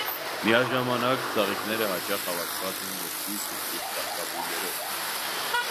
Միաժամանակ ծաղիկները հաճախ հավաքաված են ողկույզ, գլխիկ ծաղկաբույլերով։